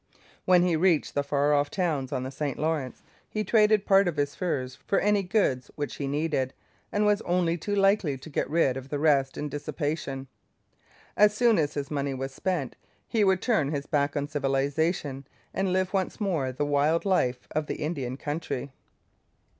When he reached the far off towns on the St Lawrence, he traded part of his furs for any goods which he needed, and was only too likely to get rid of the rest in dissipation. As soon as his money was spent, he would turn his back on civilization and live once more the wild life of the Indian country.